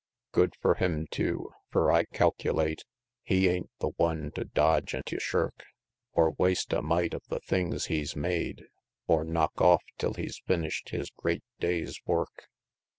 Good fur Him, tew! fur I calculate HE ain't the One to dodge an' tew shirk, Or waste a mite of the things He's made, Or knock off till He's finished His great Day's work!